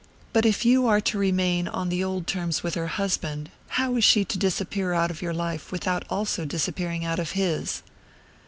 "But if you are to remain on the old terms with her husband, how is she to disappear out of your life without also disappearing out of his?"